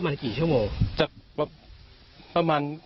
นาน